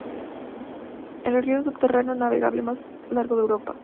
Es el río subterráneo navegable más largo de Europa.